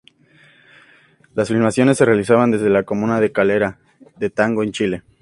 Las filmaciones se realizaban desde la comuna de Calera de Tango en Chile.